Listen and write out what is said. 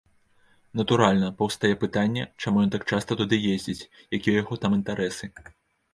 Натуральна, паўстае пытанне, чаму ён так часта туды ездзіць, якія ў яго там інтарэсы.